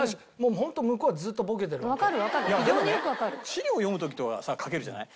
資料を読む時とかはさかけるじゃない。